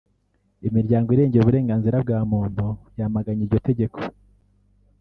Imiryango irengera uburenganzira bwa muntu yamaganye iryo tegeko